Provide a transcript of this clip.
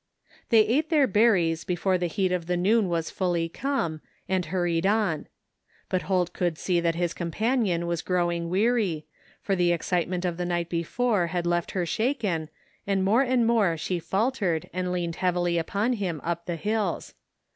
*^* They ate their berries before the heat of the noon was fully come, and hurried on. But Holt could see that his companion was growing weary, for the excite ment of the night before had left her shaken, and more and more she faltered and leaned heavily upon him up the hills.